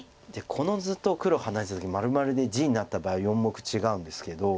この図と黒がハネツイだ時まるまる地になった場合４目違うんですけど。